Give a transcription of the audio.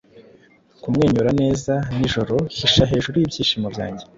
Kumwenyura neza, nijoro Hisha hejuru y'ibyishimo byanjye!